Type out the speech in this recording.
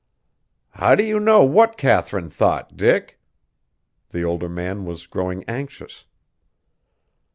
"How do you know what Katharine thought, Dick?" The older man was growing anxious.